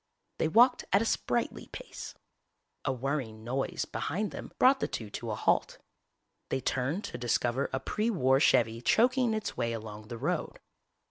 They walked at a sprightly pace. A whirring noise behind them brought the two to a halt. They turned to discover a pre war Chevy choking its way along the road.